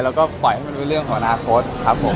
แล้วก็ปล่อยให้มันเป็นเรื่องของอนาคตครับผม